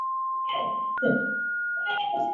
এই আসর সকলে জন্য উন্মুক্ত।